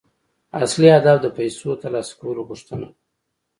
اصلي هدف د پيسو ترلاسه کولو غوښتنه ده.